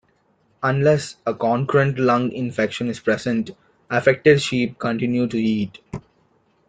Unless a concurrent lung infection is present, affected sheep continue to eat.